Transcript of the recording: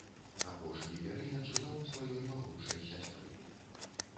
Апошні перыяд жыла ў сваёй малодшай сястры.